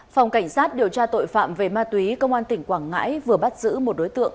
phòng cảnh sát điều tra tội phạm về ma túy công an tỉnh quảng ngãi vừa bắt giữ một đối tượng